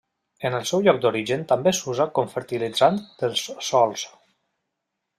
En el seu lloc d'origen també s'usa com fertilitzant dels sòls.